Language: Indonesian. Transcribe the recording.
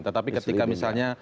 tetapi ketika misalnya